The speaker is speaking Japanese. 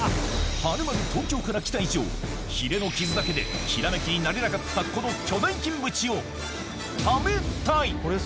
はるばる東京から来た以上ヒレの傷だけで「煌」になれなかったこの巨大キンブチを食べたい！